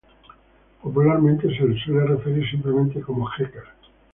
Popularmente se le suele referir simplemente como Heckel.